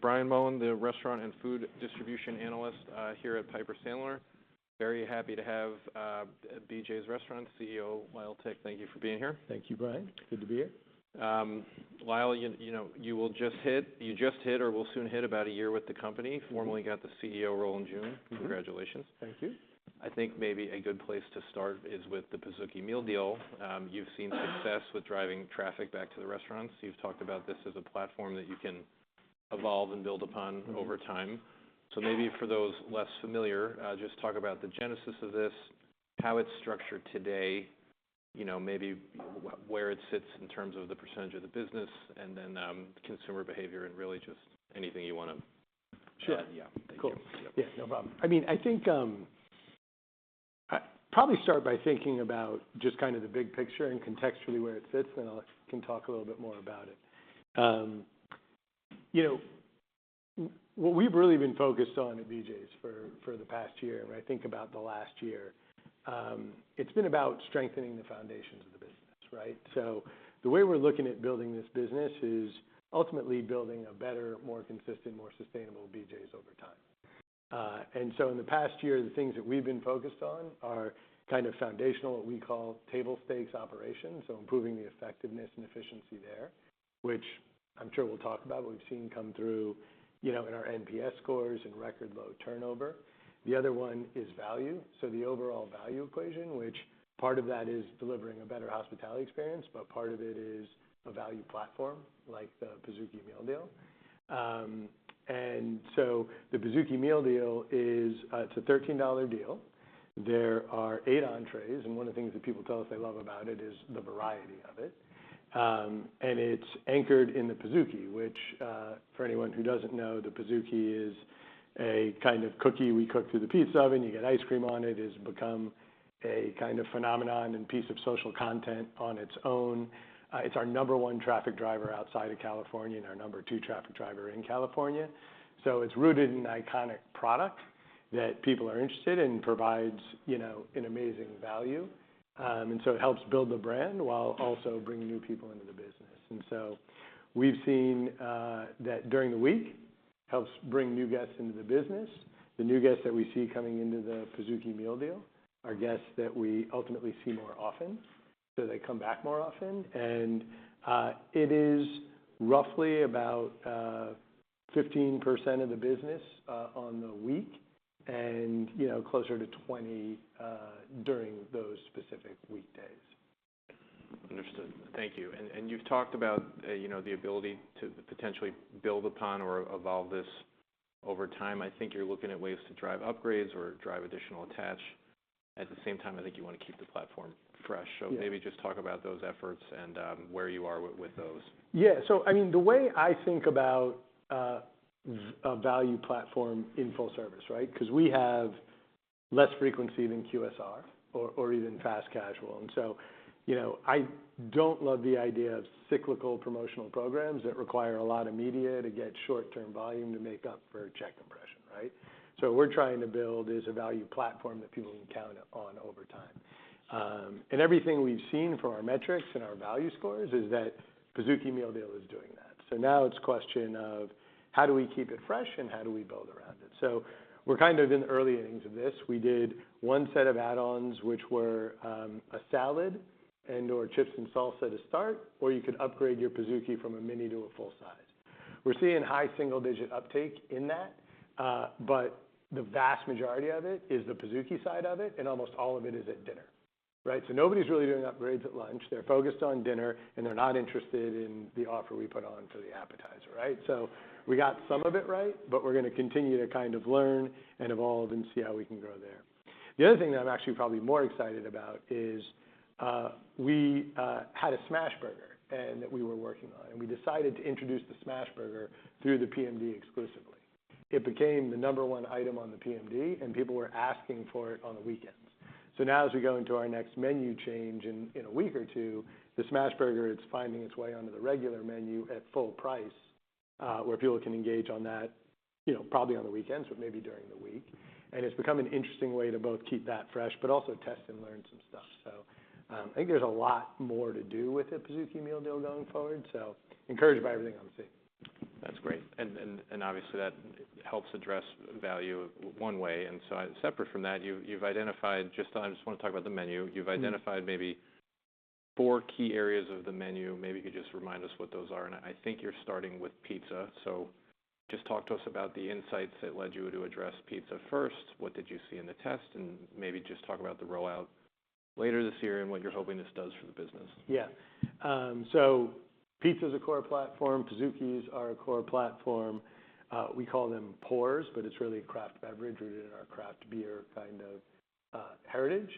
Brian Mullan, the restaurant and food distribution analyst here at Piper Sandler. Very happy to have BJ's Restaurants CEO, Lyle Tick. Thank you for being here. Thank you, Brian. It's good to be here. Lyle, you just hit or will soon hit about a year with the company. You formally got the CEO role in June. Congratulations. Thank you. I think maybe a good place to start is with the Pizookie Meal Deal. You've seen success with driving traffic back to the restaurants. You've talked about this as a platform that you can evolve and build upon over time. So maybe for those less familiar, just talk about the genesis of this, how it's structured today, maybe where it sits in terms of the percentage of the business, and then consumer behavior, and really just anything you want to add. Sure. Yeah. Thank you. Yeah. No problem. I mean, I think I'd probably start by thinking about just kind of the big picture and contextually where it sits, and then I can talk a little bit more about it. What we've really been focused on at BJ's for the past year, and when I think about the last year, it's been about strengthening the foundations of the business, right? So the way we're looking at building this business is ultimately building a better, more consistent, more sustainable BJ's over time. And so in the past year, the things that we've been focused on are kind of foundational, what we call table stakes operations, so improving the effectiveness and efficiency there, which I'm sure we'll talk about. We've seen come through in our NPS scores and record low turnover. The other one is value, so the overall value equation, which part of that is delivering a better hospitality experience, but part of it is a value platform like the Pizookie Meal Deal, and so the Pizookie Meal Deal is a $13 deal. There are eight entrees, and one of the things that people tell us they love about it is the variety of it, and it's anchored in the Pizookie, which for anyone who doesn't know, the Pizookie is a kind of cookie we cook through the pizza oven. You get ice cream on it. It's become a kind of phenomenon and piece of social content on its own. It's our number one traffic driver outside of California and our number two traffic driver in California. So it's rooted in an iconic product that people are interested in and provides an amazing value. It helps build the brand while also bringing new people into the business. We've seen that during the week. It helps bring new guests into the business. The new guests that we see coming into the Pizookie Meal Deal are guests that we ultimately see more often, so they come back more often. It is roughly about 15% of the business on the week and closer to 20% during those specific weekdays. Understood. Thank you. And you've talked about the ability to potentially build upon or evolve this over time. I think you're looking at ways to drive upgrades or drive additional attach. At the same time, I think you want to keep the platform fresh. So maybe just talk about those efforts and where you are with those. Yeah. So I mean, the way I think about a value platform in full service, right? Because we have less frequency than QSR or even fast casual. And so I don't love the idea of cyclical promotional programs that require a lot of media to get short-term volume to make up for check compression, right? So what we're trying to build is a value platform that people can count on over time. And everything we've seen from our metrics and our value scores is that Pizookie Meal Deal is doing that. So now it's a question of how do we keep it fresh and how do we build around it? So we're kind of in the early innings of this. We did one set of add-ons, which were a salad and/or chips and salsa to start, or you could upgrade your Pizookie from a mini to a full size. We're seeing high single-digit uptake in that, but the vast majority of it is the Pizookie side of it, and almost all of it is at dinner, right? So nobody's really doing upgrades at lunch. They're focused on dinner, and they're not interested in the offer we put on for the appetizer, right? So we got some of it right, but we're going to continue to kind of learn and evolve and see how we can grow there. The other thing that I'm actually probably more excited about is we had a Smash Burger that we were working on, and we decided to introduce the Smash Burger through the PMD exclusively. It became the number one item on the PMD, and people were asking for it on the weekends. So now as we go into our next menu change in a week or two, the Smash Burger is finding its way onto the regular menu at full price, where people can engage on that probably on the weekends, but maybe during the week. And it's become an interesting way to both keep that fresh but also test and learn some stuff. So I think there's a lot more to do with the Pizookie Meal Deal going forward. So encouraged by everything I'm seeing. That's great, and obviously, that helps address value one way, and so separate from that, you've identified (just I just want to talk about the menu) you've identified maybe four key areas of the menu. Maybe you could just remind us what those are, and I think you're starting with pizza, so just talk to us about the insights that led you to address pizza first. What did you see in the test, and maybe just talk about the rollout later this year and what you're hoping this does for the business. Yeah. So pizza is a core platform. Pizookies are a core platform. We call them Pours, but it's really a craft beverage rooted in our craft beer kind of heritage.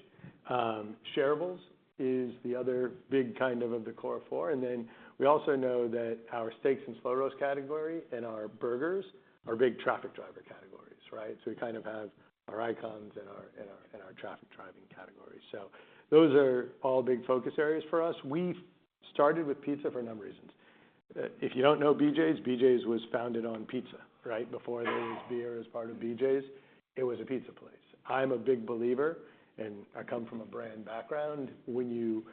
Shareables is the other big kind of the core four. And then we also know that our steaks and slow roast category and our burgers are big traffic driver categories, right? So we kind of have our icons and our traffic driving categories. So those are all big focus areas for us. We started with pizza for a number of reasons. If you don't know BJ's, BJ's was founded on pizza, right? Before there was beer as part of BJ's, it was a pizza place. I'm a big believer, and I come from a brand background. When you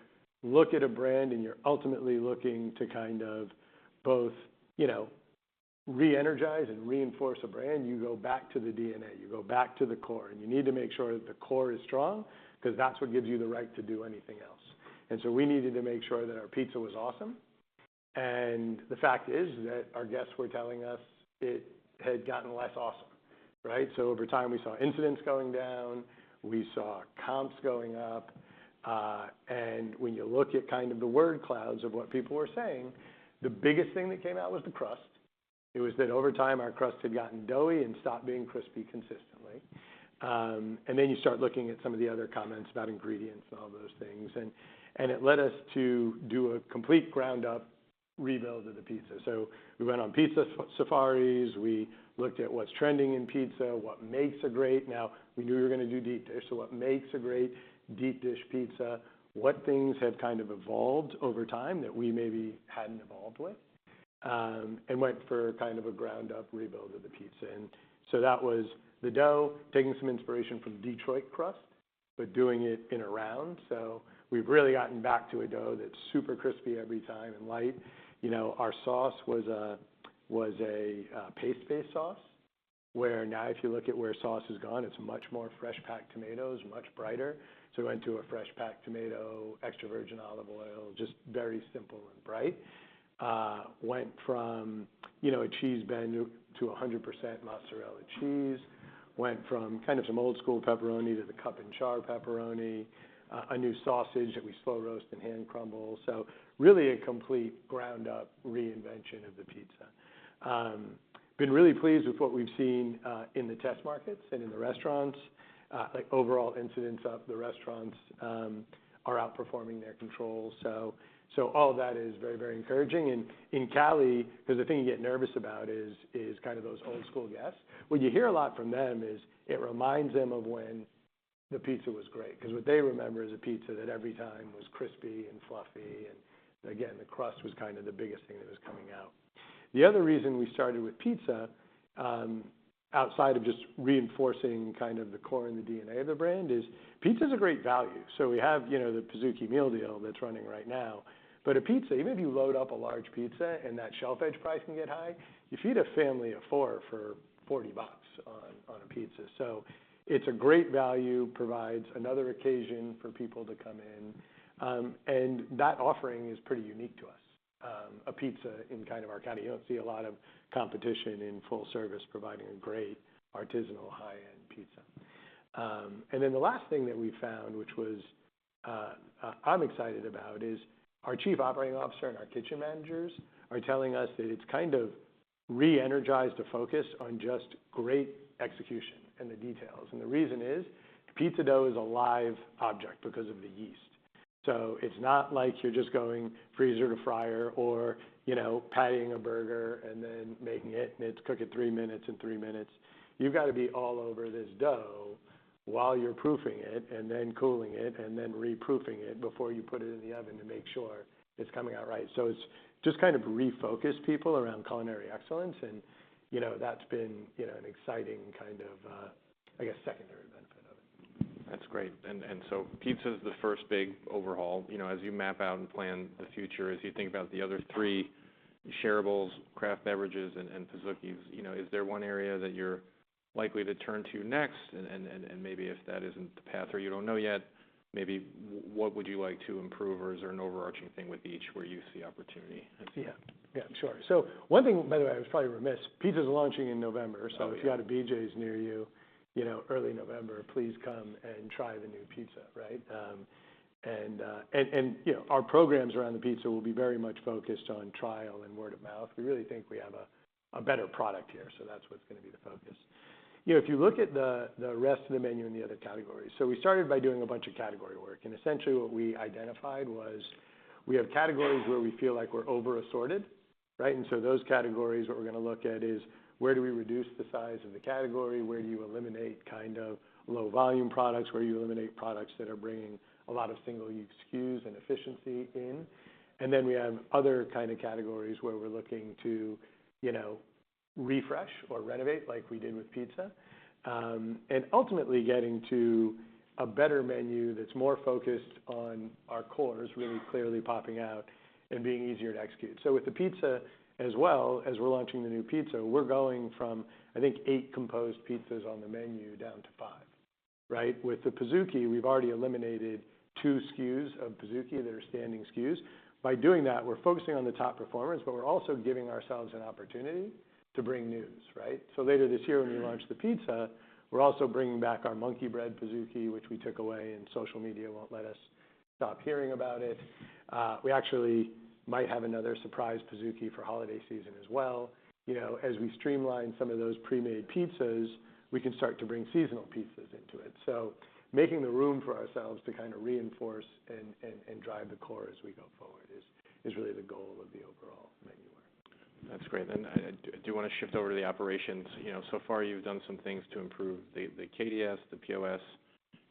look at a brand and you're ultimately looking to kind of both re-energize and reinforce a brand, you go back to the DNA. You go back to the core, and you need to make sure that the core is strong because that's what gives you the right to do anything else. And so we needed to make sure that our pizza was awesome. And the fact is that our guests were telling us it had gotten less awesome, right? So over time, we saw incidence going down. We saw comps going up. And when you look at kind of the word clouds of what people were saying, the biggest thing that came out was the crust. It was that over time, our crust had gotten doughy and stopped being crispy consistently. And then you start looking at some of the other comments about ingredients and all those things. It led us to do a complete ground-up rebuild of the pizza. We went on pizza safaris. We looked at what's trending in pizza, what makes a great, now we knew we were going to do deep dish, so what makes a great deep dish pizza, what things have kind of evolved over time that we maybe hadn't evolved with, and went for kind of a ground-up rebuild of the pizza. That was the dough, taking some inspiration from Detroit crust, but doing it in a round. We've really gotten back to a dough that's super crispy every time and light. Our sauce was a paste-based sauce where now if you look at where sauce has gone, it's much more fresh-packed tomatoes, much brighter. We went to a fresh-packed tomato, extra virgin olive oil, just very simple and bright. Went from a cheese blend to 100% mozzarella cheese. Went from kind of some old-school pepperoni to the cup-and-char pepperoni. A new sausage that we slow roast and hand crumble. So really a complete ground-up reinvention of the pizza. Been really pleased with what we've seen in the test markets and in the restaurants. Overall, incidence up, the restaurants are outperforming their controls. So all of that is very, very encouraging. And in Cali, because the thing you get nervous about is kind of those old-school guests. What you hear a lot from them is, it reminds them of when the pizza was great because what they remember is a pizza that every time was crispy and fluffy. And again, the crust was kind of the biggest thing that was coming out. The other reason we started with pizza, outside of just reinforcing kind of the core and the DNA of the brand, is pizza is a great value. So we have the Pizookie Meal Deal that's running right now. But a pizza, even if you load up a large pizza and that shelf edge price can get high, you feed a family of four for $40 on a pizza. So it's a great value, provides another occasion for people to come in. And that offering is pretty unique to us. A pizza in kind of our category, you don't see a lot of competition in full service providing a great artisanal high-end pizza. And then the last thing that we found, which was I'm excited about, is our Chief Operating Officer and our kitchen managers are telling us that it's kind of re-energized a focus on just great execution and the details. And the reason is pizza dough is a live object because of the yeast. So it's not like you're just going freezer to fryer or patting a burger and then making it, and it's cooking three minutes and three minutes. You've got to be all over this dough while you're proofing it and then cooling it and then reproofing it before you put it in the oven to make sure it's coming out right. So it's just kind of refocused people around culinary excellence, and that's been an exciting kind of, I guess, secondary benefit of it. That's great. And so pizza is the first big overhaul. As you map out and plan the future, as you think about the other three shareables, craft beverages, and Pizookies, is there one area that you're likely to turn to next? And maybe if that isn't the path or you don't know yet, maybe what would you like to improve? Or is there an overarching thing with each where you see opportunity? Yeah. Yeah. Sure. So one thing, by the way, I was probably remiss. Pizza's launching in November. So if you got a BJ's near you early November, please come and try the new pizza, right? And our programs around the pizza will be very much focused on trial and word of mouth. We really think we have a better product here, so that's what's going to be the focus. If you look at the rest of the menu and the other categories, so we started by doing a bunch of category work. And essentially, what we identified was we have categories where we feel like we're over-assorted, right? And so those categories, what we're going to look at is where do we reduce the size of the category? Where do you eliminate kind of low-volume products? Where do you eliminate products that are bringing a lot of single-use SKUs and efficiency in? And then we have other kind of categories where we're looking to refresh or renovate like we did with pizza, and ultimately getting to a better menu that's more focused on our cores really clearly popping out and being easier to execute. So with the pizza as well, as we're launching the new pizza, we're going from, I think, eight composed pizzas on the menu down to five, right? With the Pizookie, we've already eliminated two SKUs of Pizookie that are standing SKUs. By doing that, we're focusing on the top performers, but we're also giving ourselves an opportunity to bring news, right? So later this year, when we launch the pizza, we're also bringing back our Monkey Bread Pizookie, which we took away, and social media won't let us stop hearing about it. We actually might have another surprise Pizookie for holiday season as well. As we streamline some of those pre-made pizzas, we can start to bring seasonal pizzas into it. So making the room for ourselves to kind of reinforce and drive the core as we go forward is really the goal of the overall menu work. That's great. And I do want to shift over to the operations. So far, you've done some things to improve the KDS, the POS.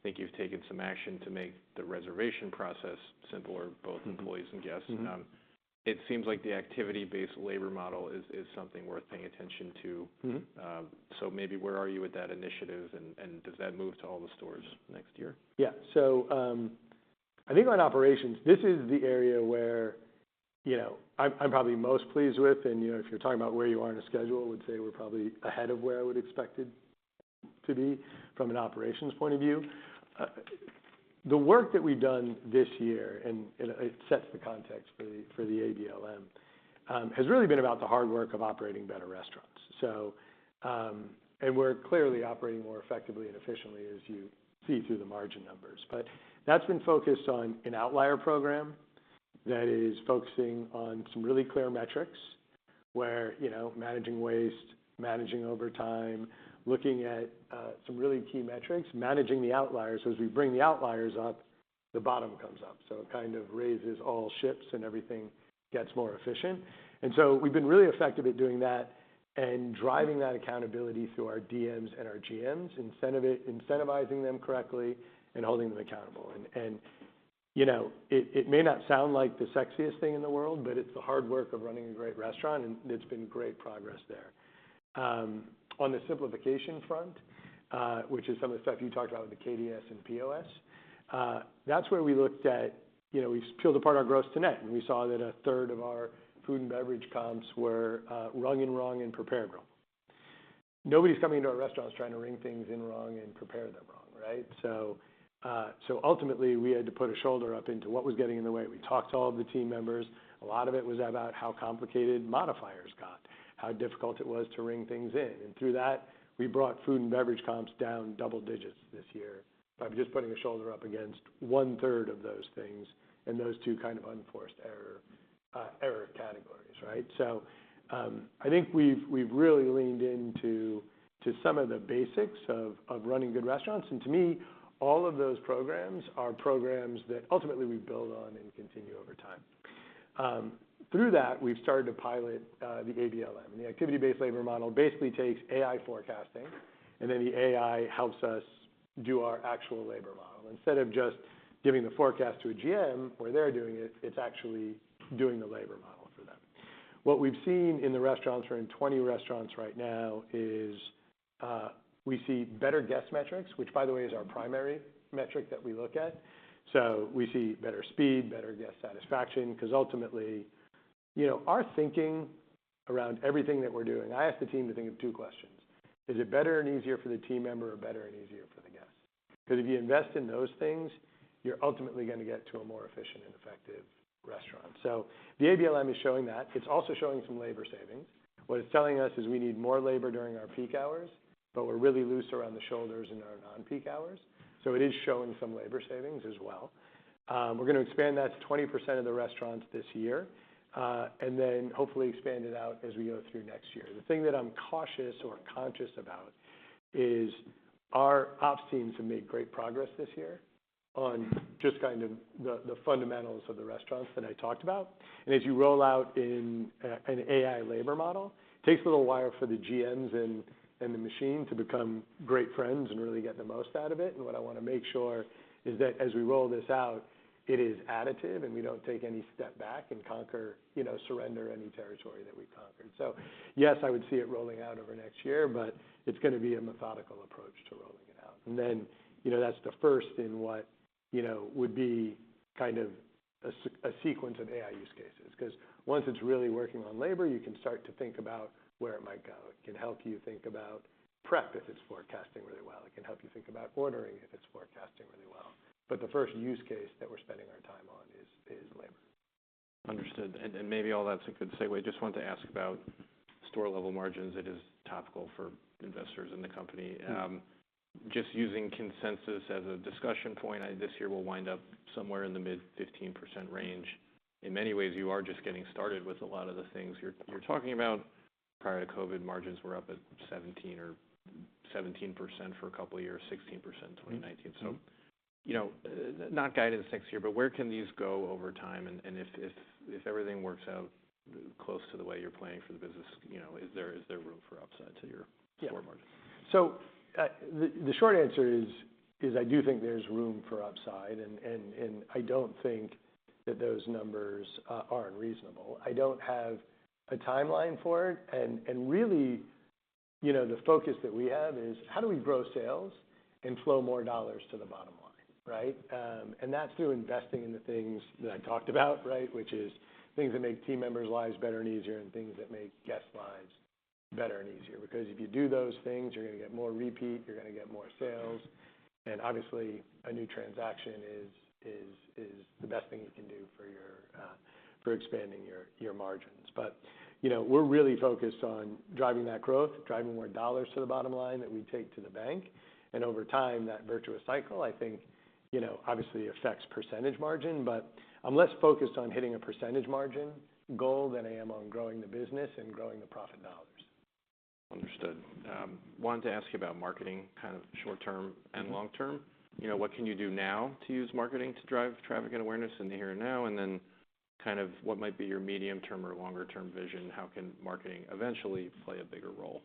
I think you've taken some action to make the reservation process simple for both employees and guests. It seems like the activity-based labor model is something worth paying attention to. So maybe where are you with that initiative, and does that move to all the stores next year? Yeah. So I think on operations, this is the area where I'm probably most pleased with. And if you're talking about where you are on a schedule, I would say we're probably ahead of where I would expect it to be from an operations point of view. The work that we've done this year, and it sets the context for the ABLM, has really been about the hard work of operating better restaurants. And we're clearly operating more effectively and efficiently, as you see through the margin numbers. But that's been focused on an outlier program that is focusing on some really clear metrics where managing waste, managing overtime, looking at some really key metrics, managing the outliers. As we bring the outliers up, the bottom comes up. So it kind of raises all ships and everything gets more efficient. And so we've been really effective at doing that and driving that accountability through our DMs and our GMs, incentivizing them correctly and holding them accountable. It may not sound like the sexiest thing in the world, but it's the hard work of running a great restaurant, and it's been great progress there. On the simplification front, which is some of the stuff you talked about with the KDS and POS, that's where we looked at. We've peeled apart our gross to net, and we saw that a third of our food and beverage comps were rung wrong and prepared wrong. Nobody's coming into our restaurants trying to ring things in wrong and prepare them wrong, right? So ultimately, we had to put a shoulder up into what was getting in the way. We talked to all the team members. A lot of it was about how complicated modifiers got, how difficult it was to ring things in. And through that, we brought food and beverage comps down double digits this year by just putting a shoulder up against one-third of those things and those two kind of unforced error categories, right? So I think we've really leaned into some of the basics of running good restaurants. And to me, all of those programs are programs that ultimately we build on and continue over time. Through that, we've started to pilot the ABLM. And the activity-based labor model basically takes AI forecasting, and then the AI helps us do our actual labor model. Instead of just giving the forecast to a GM where they're doing it, it's actually doing the labor model for them. What we've seen in the restaurants, we're in 20 restaurants right now, is we see better guest metrics, which, by the way, is our primary metric that we look at, so we see better speed, better guest satisfaction because ultimately, our thinking around everything that we're doing, I ask the team to think of two questions. Is it better and easier for the team member or better and easier for the guest? Because if you invest in those things, you're ultimately going to get to a more efficient and effective restaurant, so the ABLM is showing that. It's also showing some labor savings. What it's telling us is we need more labor during our peak hours, but we're really loose around the shoulders in our non-peak hours, so it is showing some labor savings as well. We're going to expand that to 20% of the restaurants this year and then hopefully expand it out as we go through next year. The thing that I'm cautious or conscious about is our ops team's made great progress this year on just kind of the fundamentals of the restaurants that I talked about. And as you roll out an AI labor model, it takes a little while for the GMs and the machine to become great friends and really get the most out of it. And what I want to make sure is that as we roll this out, it is additive and we don't take any step back and conquer, surrender any territory that we've conquered. So yes, I would see it rolling out over next year, but it's going to be a methodical approach to rolling it out. And then that's the first in what would be kind of a sequence of AI use cases. Because once it's really working on labor, you can start to think about where it might go. It can help you think about prep if it's forecasting really well. It can help you think about ordering if it's forecasting really well. But the first use case that we're spending our time on is labor. Understood, and maybe all that's a good segue. I just wanted to ask about store-level margins. It is topical for investors in the company. Just using consensus as a discussion point, this year will wind up somewhere in the mid-15% range. In many ways, you are just getting started with a lot of the things you're talking about. Prior to COVID, margins were up at 17% for a couple of years, 16% in 2019, so not guidance next year, but where can these go over time, and if everything works out close to the way you're planning for the business, is there room for upside to your core margins? Yeah. So the short answer is I do think there's room for upside, and I don't think that those numbers are unreasonable. I don't have a timeline for it. And really, the focus that we have is how do we grow sales and flow more dollars to the bottom line, right? And that's through investing in the things that I talked about, right, which is things that make team members' lives better and easier and things that make guests' lives better and easier. Because if you do those things, you're going to get more repeat. You're going to get more sales. And obviously, a new transaction is the best thing you can do for expanding your margins. But we're really focused on driving that growth, driving more dollars to the bottom line that we take to the bank. And over time, that virtuous cycle, I think, obviously affects percentage margin. But I'm less focused on hitting a percentage margin goal than I am on growing the business and growing the profit dollars. Understood. Wanted to ask you about marketing kind of short-term and long-term. What can you do now to use marketing to drive traffic and awareness in the here and now? And then kind of what might be your medium-term or longer-term vision? How can marketing eventually play a bigger role?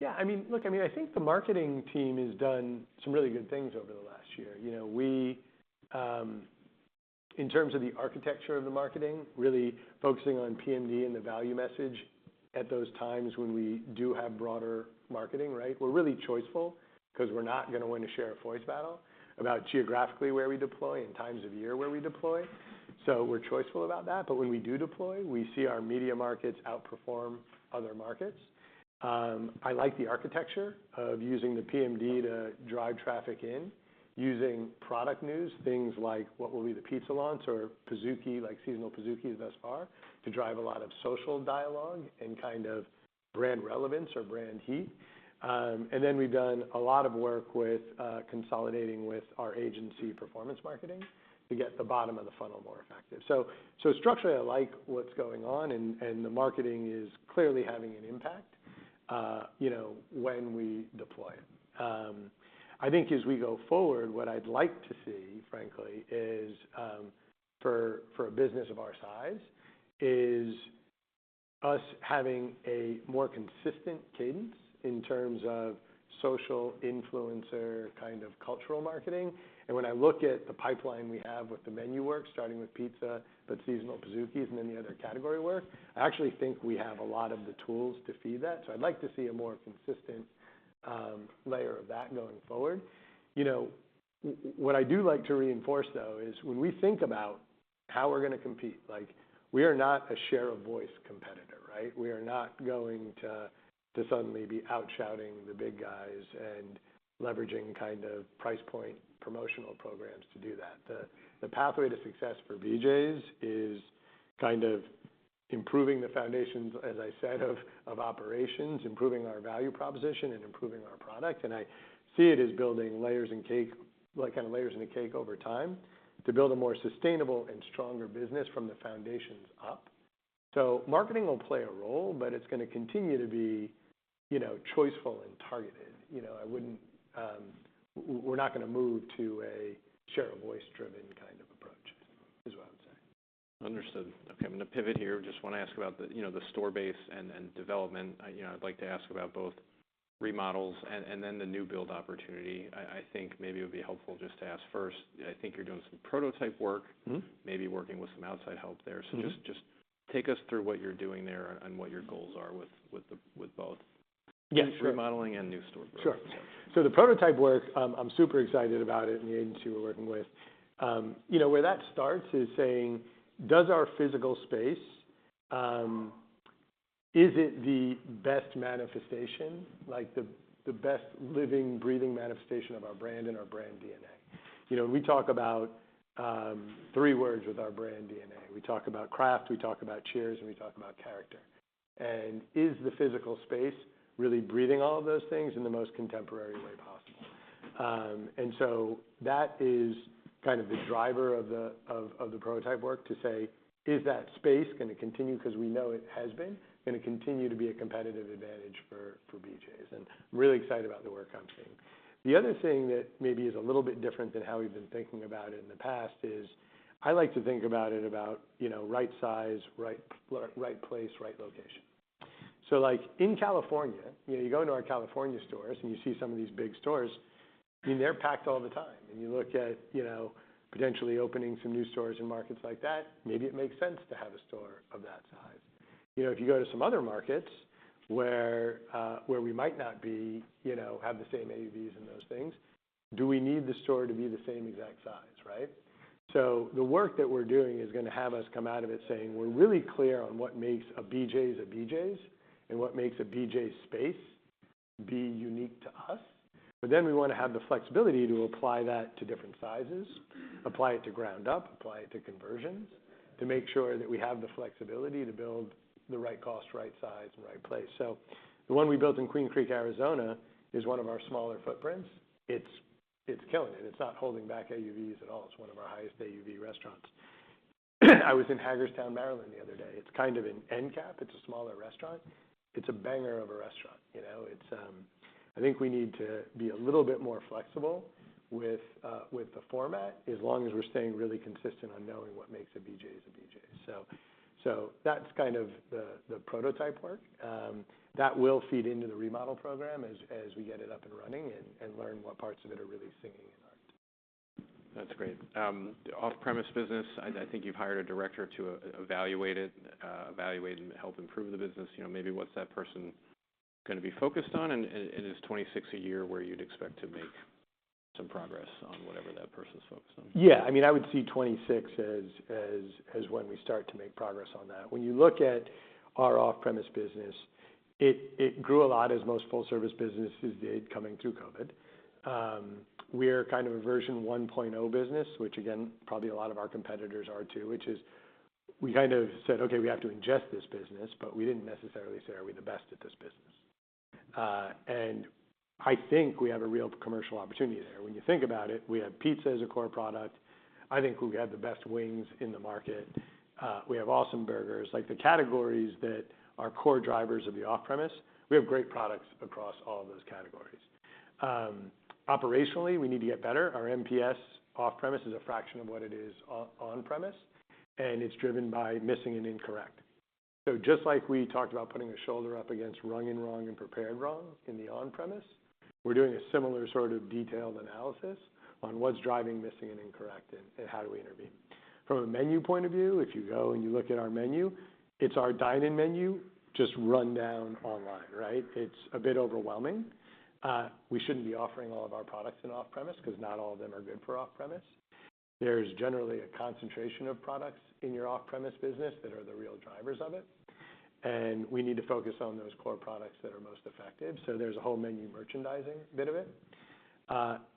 Yeah. I mean, look, I mean, I think the marketing team has done some really good things over the last year. We, in terms of the architecture of the marketing, really focusing on PMD and the value message at those times when we do have broader marketing, right? We're really choiceful because we're not going to win a share of voice battle about geographically where we deploy and times of year where we deploy. So we're choiceful about that. But when we do deploy, we see our media markets outperform other markets. I like the architecture of using the PMD to drive traffic in, using product news, things like what will be the pizza launch or seasonal Pizookies thus far to drive a lot of social dialogue and kind of brand relevance or brand heat. And then we've done a lot of work with consolidating with our agency performance marketing to get the bottom of the funnel more effective. So structurally, I like what's going on, and the marketing is clearly having an impact when we deploy. I think as we go forward, what I'd like to see, frankly, for a business of our size is us having a more consistent cadence in terms of social influencer kind of cultural marketing. And when I look at the pipeline we have with the menu work, starting with pizza but seasonal Pizookies and then the other category work, I actually think we have a lot of the tools to feed that. So I'd like to see a more consistent layer of that going forward. What I do like to reinforce, though, is when we think about how we're going to compete, we are not a share of voice competitor, right? We are not going to suddenly be outshouting the big guys and leveraging kind of price point promotional programs to do that. The pathway to success for BJ's is kind of improving the foundations, as I said, of operations, improving our value proposition, and improving our product. And I see it as building layers in cake like kind of layers in a cake over time to build a more sustainable and stronger business from the foundations up. So marketing will play a role, but it's going to continue to be choiceful and targeted. We're not going to move to a share of voice-driven kind of approach is what I would say. Understood. Okay. I'm going to pivot here. Just want to ask about the store base and development. I'd like to ask about both remodels and then the new build opportunity. I think maybe it would be helpful just to ask first. I think you're doing some prototype work, maybe working with some outside help there. So just take us through what you're doing there and what your goals are with both new store and remodeling and new store growth. Sure. So the prototype work, I'm super excited about it and the agency we're working with. Where that starts is saying, does our physical space, is it the best manifestation, like the best living, breathing manifestation of our brand and our brand DNA? We talk about three words with our brand DNA. We talk about craft, we talk about cheers, and we talk about character. And is the physical space really breathing all of those things in the most contemporary way possible? And so that is kind of the driver of the prototype work to say, is that space going to continue because we know it has been going to continue to be a competitive advantage for BJ's? And I'm really excited about the work I'm seeing. The other thing that maybe is a little bit different than how we've been thinking about it in the past is I like to think about it about right size, right place, right location. So in California, you go into our California stores and you see some of these big stores, and they're packed all the time. And you look at potentially opening some new stores and markets like that, maybe it makes sense to have a store of that size. If you go to some other markets where we might not have the same AUVs and those things, do we need the store to be the same exact size, right? So the work that we're doing is going to have us come out of it saying we're really clear on what makes a BJ's a BJ's and what makes a BJ's space be unique to us. But then we want to have the flexibility to apply that to different sizes, apply it to ground up, apply it to conversions to make sure that we have the flexibility to build the right cost, right size, and right place. So the one we built in Queen Creek, Arizona is one of our smaller footprints. It's killing it. It's not holding back AUVs at all. It's one of our highest AUV restaurants. I was in Hagerstown, Maryland the other day. It's kind of an end cap. It's a smaller restaurant. It's a banger of a restaurant. I think we need to be a little bit more flexible with the format as long as we're staying really consistent on knowing what makes a BJ's a BJ's. So that's kind of the prototype work. That will feed into the remodel program as we get it up and running and learn what parts of it are really singing and aren't. That's great. Off-Premise business, I think you've hired a director to evaluate it, evaluate and help improve the business. Maybe what's that person going to be focused on? And is 26 a year where you'd expect to make some progress on whatever that person's focused on? Yeah. I mean, I would see 2026 as when we start to make progress on that. When you look at our off-premise business, it grew a lot as most full-service businesses did coming through COVID. We're kind of a version 1.0 business, which again, probably a lot of our competitors are too, which is we kind of said, "Okay, we have to ingest this business," but we didn't necessarily say, "Are we the best at this business?" And I think we have a real commercial opportunity there. When you think about it, we have pizza as a core product. I think we have the best wings in the market. We have awesome burgers. The categories that are core drivers of the off-premise, we have great products across all of those categories. Operationally, we need to get better. Our NPS off-premise is a fraction of what it is on-premise, and it's driven by missing and incorrect. So just like we talked about putting a shoulder up against wrong and wrong and prepared wrong in the on-premise, we're doing a similar sort of detailed analysis on what's driving missing and incorrect and how do we intervene. From a menu point of view, if you go and you look at our menu, it's our dine-in menu just run down online, right? It's a bit overwhelming. We shouldn't be offering all of our products in off-premise because not all of them are good for off-premise. There's generally a concentration of products in your off-premise business that are the real drivers of it. And we need to focus on those core products that are most effective. So there's a whole menu merchandising bit of it.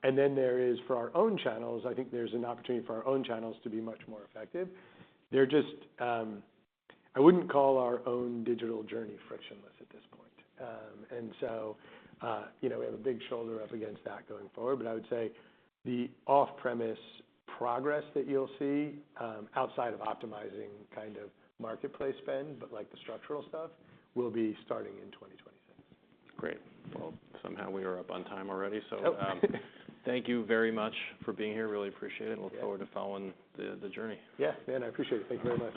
And then there is, for our own channels, I think there's an opportunity for our own channels to be much more effective. I wouldn't call our own digital journey frictionless at this point. And so we have a big shoulder up against that going forward. But I would say the off-premise progress that you'll see outside of optimizing kind of marketplace spend, but like the structural stuff, will be starting in 2026. Great. Well, somehow we are up on time already. So thank you very much for being here. Really appreciate it. Look forward to following the journey. Yeah. Man, I appreciate it. Thank you very much.